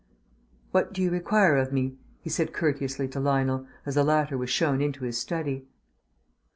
"What do you require of me?" he said courteously to Lionel, as the latter was shown into his study.